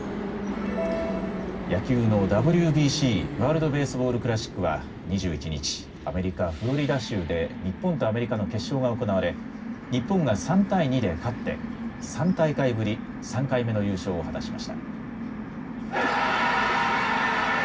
野球のＷＢＣ・ワールド・ベースボール・クラシックは２１日、アメリカ・フロリダ州で日本とアメリカの決勝が行われ日本が３対２で勝って３大会ぶり３回目の優勝を果たしました。